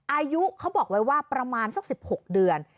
อายุเขาบอกไว้ว่าประมาณสัก๑๖เดือน